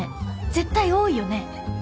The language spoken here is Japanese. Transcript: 絶対多いよね？